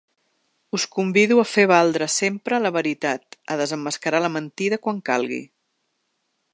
Us convido a fer valdre sempre la veritat, a desemmascarar la mentida quan calgui.